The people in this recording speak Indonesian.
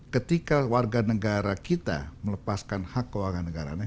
ketika warga negara kita melepaskan hak keuangan negaranya